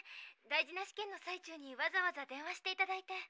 大事な試験の最中にわざわざ電話していただいて。